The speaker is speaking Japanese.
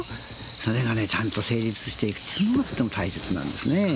それがちゃんと成立していくのがとても大切なんですね。